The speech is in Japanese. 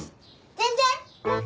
全然？